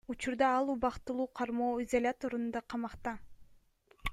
Учурда ал убактылуу кармоо изоляторунда камакта.